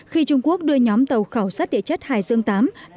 khi trung quốc đưa nhóm tàu khảo sát địa chất hải dương viii